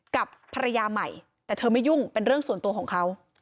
กับภรรยาใหม่แต่เธอไม่ยุ่งเป็นเรื่องส่วนตัวของเขา